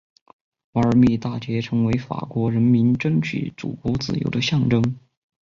瓦尔密大捷成为法国人民争取祖国自由的象征。